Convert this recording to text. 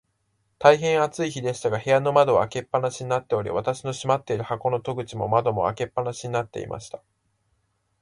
大へん暑い日でしたが、部屋の窓は開け放しになっており、私の住まっている箱の戸口も窓も、開け放しになっていました。